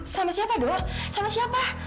sama siapa dulu sama siapa